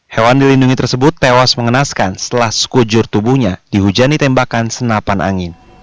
hewan dilindungi tersebut tewas mengenaskan setelah sekujur tubuhnya dihujani tembakan senapan angin